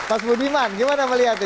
pas bu biman gimana melihatnya